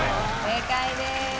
正解です。